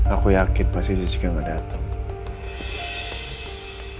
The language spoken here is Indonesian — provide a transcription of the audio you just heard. aku yakin pasti jessica gak dateng